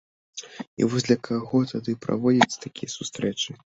І вось для каго тады праводзяцца такія сустрэчы?